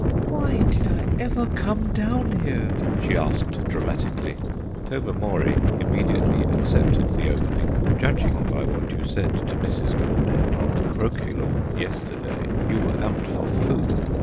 "Why did I ever come down here?" she asked dramatically. Tobermory immediately accepted the opening. "Judging by what you said to Mrs. Cornett on the croquet lawn yesterday, you were out for food.